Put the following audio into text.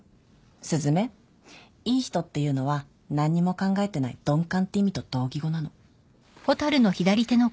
雀いい人っていうのは何にも考えてない鈍感って意味と同義語なの。